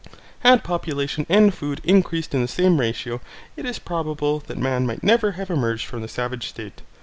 Had population and food increased in the same ratio, it is probable that man might never have emerged from the savage state.